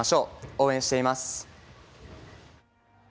応援しています。